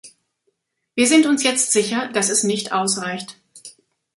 Wir sind uns jetzt sicher, das es nicht ausreicht.